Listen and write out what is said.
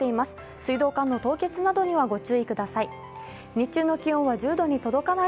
水道管の凍結などにはご注意ください。